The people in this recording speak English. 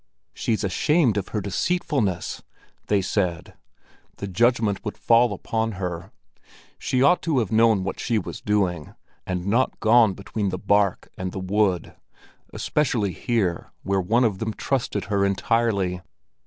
"She's ashamed of her deceitfulness!" they said. The judgment would fall upon her; she ought to have known what she was doing, and not gone between the bark and the wood, especially here where one of them trusted her entirely.